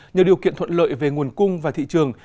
nhờ điều kiện thuận lợi về nguồn cung và thị trường